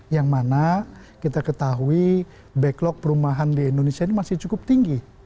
yang mana kita ketahui backlog perumahan di indonesia ini masih cukup tinggi